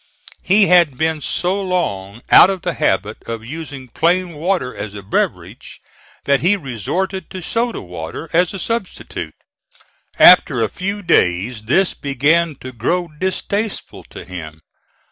He had been so long out of the habit of using plain water as a beverage that he resorted to soda water as a substitute. After a few days this began to grow distasteful to him.